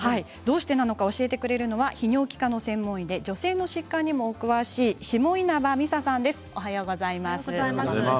教えてくれるのは泌尿器科専門医で女性の疾患にも詳しい下稲葉美佐さんです。